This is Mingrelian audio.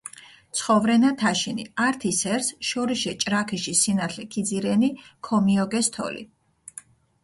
ცხოვრენა თაშინი, ართი სერს შორიშე ჭრაქიში სინათლე ქიძირენი, ქომიოგეს თოლი.